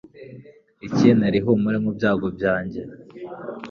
ikintera ihumure mu byago byanjye